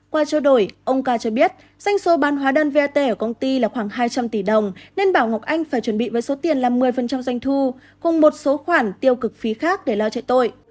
qua trao đổi ông ca cho biết doanh số bán hóa đơn vat ở công ty là khoảng hai trăm linh tỷ đồng nên bảo ngọc anh phải chuẩn bị với số tiền là một mươi doanh thu cùng một số khoản tiêu cực phí khác để lo chạy tội